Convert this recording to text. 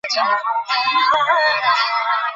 তারপর আর একটি বিষয়ে মনোযোগ দিতে হইবে।